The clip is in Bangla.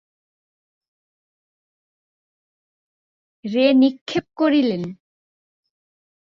রে নিক্ষেপ করিলেন।